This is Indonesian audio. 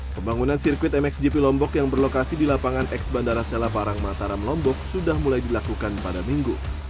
pembangunan sirkuit mxgp lombok yang berlokasi di lapangan x bandara sela parang mataram lombok sudah mulai dilakukan pada minggu